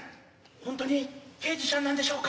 ほんとに刑事しゃんなんでしょうか？